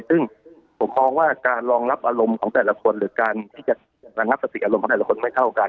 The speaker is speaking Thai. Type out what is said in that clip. ซึ่งผมมองว่าการรองรับอารมณ์ของแต่ละคนหรือการที่จะระงับสติอารมณ์ของแต่ละคนไม่เท่ากัน